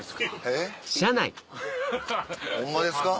えっ？ホンマですか？